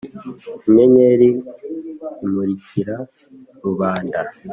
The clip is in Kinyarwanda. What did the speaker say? inyenyeri imurikira rubanda,